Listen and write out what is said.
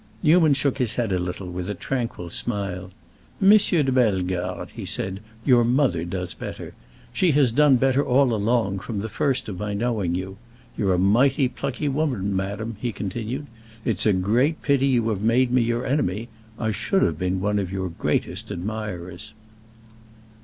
Newman shook his head a little, with a tranquil smile. "M. de Bellegarde," he said, "your mother does better. She has done better all along, from the first of my knowing you. You're a mighty plucky woman, madam," he continued. "It's a great pity you have made me your enemy. I should have been one of your greatest admirers."